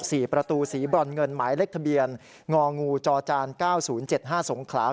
สี่ประตูสีบรอนเงินหมายเลขทะเบียนงองูจอจานเก้าศูนย์เจ็ดห้าสงขลา